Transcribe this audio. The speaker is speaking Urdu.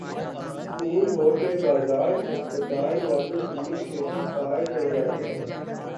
اسکول ہو کہ بازار ہسپتال یا پھر پولیس اسٹیشن پار کر جاتے ہیں